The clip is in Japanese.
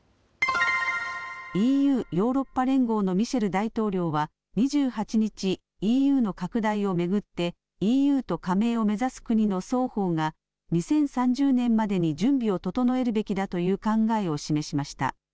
ＥＵ・ヨーロッパ連合のミシェル大統領は２８日、ＥＵの拡大を巡ってＥＵと加盟を目指す国の双方が２０３０年までに準備を整えるべきだという考えを示しました。